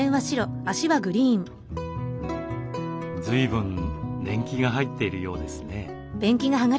ずいぶん年季が入っているようですね。